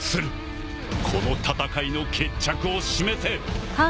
この戦いの決着を示せ！